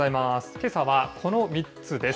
けさは、この３つです。